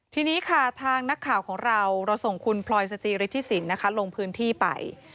ทีนี้ค่ะทางนักข่าวของเราเราส่งคุณพลอยสจิฤทธิสินนะคะลงพื้นที่ไป